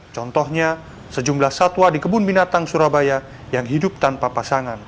contohnya sejumlah satwa di kebun binatang surabaya yang hidup tanpa pasangan